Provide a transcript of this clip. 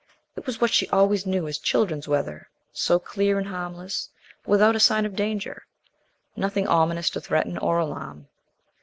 It was what she always knew as "children's weather," so clear and harmless, without a sign of danger, nothing ominous to threaten or alarm.